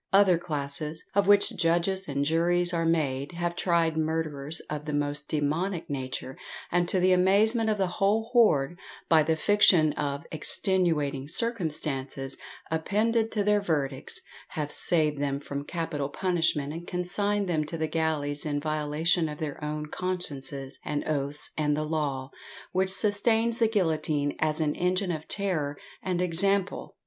Other classes, of which judges and juries are made, have tried murderers of the most demoniac nature, and to the amazement of the whole woard, by the fiction of "extenuating circumstances" appended to their verdicts, have saved them from capital punishment and consigned them to the galleys; in violation of their own consciences and oaths and the law, which sustains the guillotine as an engine of terror and example!